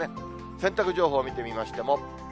洗濯情報見てみましても。